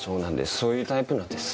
そういうタイプなんです。